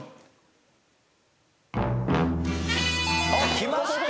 きました。